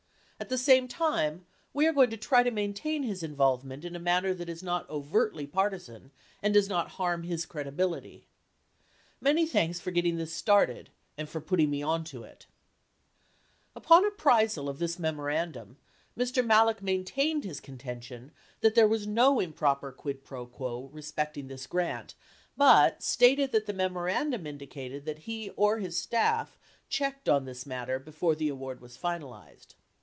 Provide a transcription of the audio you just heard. At the same time we are going to try to maintain his involvement in a mannfer that is not overtly partisan and does not harm his credibility. Many thanks for getting this started and for putting me onto it. [Emphasis added?] Upon apprisal of this memorandum, Mr. Malek maintained his contention that there was no improper quid fro quo respecting this grant, but stated that the memorandum indicated that he or his staff "checked" on this matter before the award was finalized.